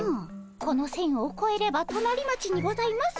この線をこえれば隣町にございます。